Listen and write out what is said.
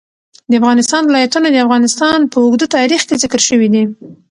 د افغانستان ولايتونه د افغانستان په اوږده تاریخ کې ذکر شوی دی.